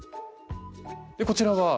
こちらは？